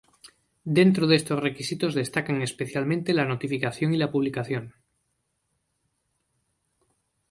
Dentro de estos requisitos destacan especialmente la notificación y la publicación.